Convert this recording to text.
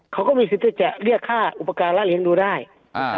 เขาก็มีสิทธิ์ที่จะเรียกค่าอุปการณ์และเลี้ยงดูได้อ่า